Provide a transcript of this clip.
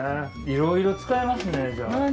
いろいろ使えますねじゃあ。